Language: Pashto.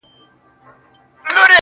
د بېوفا لفظونه راوړل,